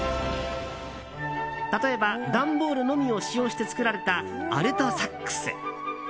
例えば、段ボールのみを使用して作られたアルトサックス。